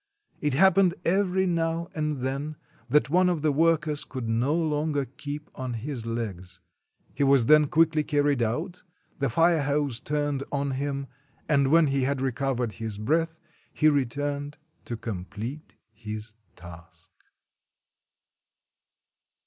It happened every now and then that one of the workers could no longer keep on his legs. He was then quickly carried out, the fire hose turned on him, and when he had recovered his breath, he returned to complete his task.